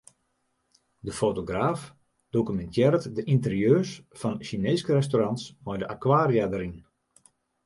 De fotograaf dokumintearret de ynterieurs fan Sjineeske restaurants mei de akwaria dêryn.